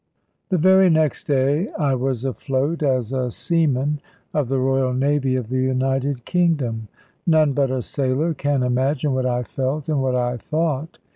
The very next day, I was afloat as a seaman of the Royal Navy of the United Kingdom. None but a sailor can imagine what I felt and what I thought.